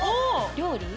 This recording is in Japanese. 料理？